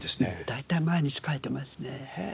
大体毎日書いてますね。